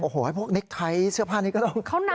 โอ้โหให้พวกนิกไทท์เสื้อผ้านี้ก็ต้องกดสอบ